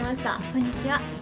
こんにちは。